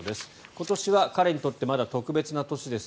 今年は彼にとってまだ特別な年です。